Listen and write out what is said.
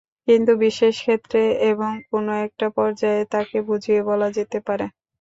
কিন্তু বিশেষ ক্ষেত্রে এবং কোনো একটা পর্যায়ে তাকে বুঝিয়ে বলা যেতে পারে।